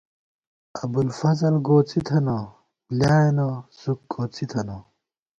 ابُوالفضل گوڅی تھنہ، بۡلیائینہ سُک کوڅی تھنہ